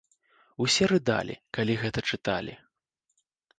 Усе рыдалі, калі гэта чыталі.